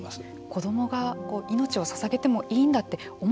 子どもが命をささげてもいいんだって思ってしまう。